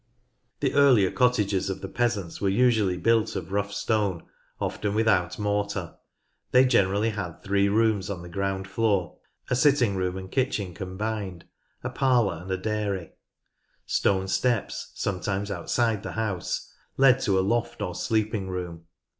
The earlier cottages of the peasants were usually built of rough stone, often without mortar. They generally Graythwaite Old Hall had three rooms on the ground floor, a sitting room and kitchen combined, a parlour, and a dairy. Stone steps, sometimes outside the house, led to a loft or sleeping room.